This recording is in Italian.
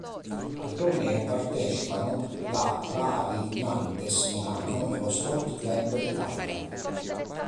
Al torneo partecipano la Rari Nantes Milano e lo Sport Club Italia.